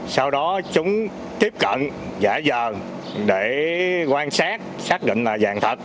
sau đó chúng tiếp cận giả dờ để quan sát xác định là vàng thật